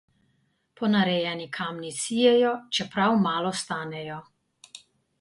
Ponarejeni kamni sijejo, čeprav malo stanejo.